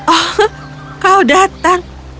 oh kau datang